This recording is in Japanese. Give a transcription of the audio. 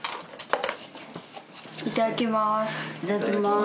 いただきます。